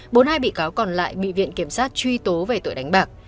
bốn hai bị cáo còn lại bị viện kiểm sát truy tố về tội đánh bạc